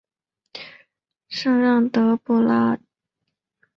圣让德拉布拉基耶尔人口变化图示